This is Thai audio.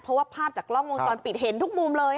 เพราะว่าภาพจากกล้องวงจรปิดเห็นทุกมุมเลย